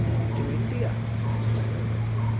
"To India!" exclaimed Eldrick.